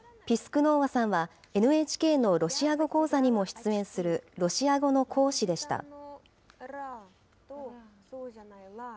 ピスクノーワさんはＮＨＫのロシア語講座にも出演する、ロシア語の講師でした。